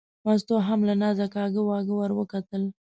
مستو هم له نازه کاږه واږه ور وکتل.